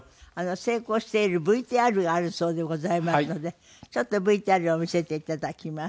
成功しているＶＴＲがあるそうでございますのでちょっとＶＴＲ見せていただきます。